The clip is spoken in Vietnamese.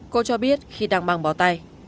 cô cho biết khi đang bằng bó tay